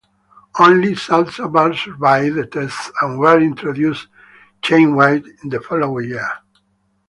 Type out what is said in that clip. Only salsa bars survived the test and were introduced chainwide the following year.